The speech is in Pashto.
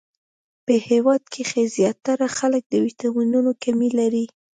په هیواد کښی ځیاتره خلک د ويټامنونو کمې لری